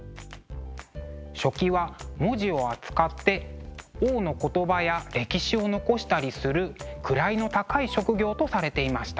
書記は文字を扱って王の言葉や歴史を残したりする位の高い職業とされていました。